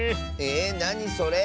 えなにそれ。